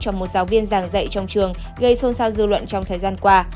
cho một giáo viên giảng dạy trong trường gây xôn xao dư luận trong thời gian qua